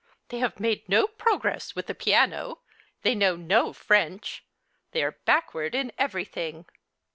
They have made no progress with the piano. They know no French. They are backward in everything."